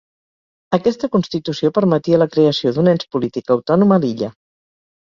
Aquesta constitució permetia la creació d'un ens polític autònom a l'illa.